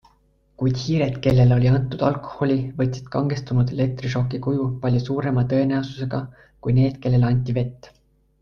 Kuid hiired, kellele oli antud alkoholi, võtsid kangestunud elektrišoki kuju palju suurema tõenäosusega kui need, kellele anti vett.